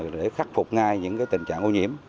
để khắc phục ngay những tình trạng ô nhiễm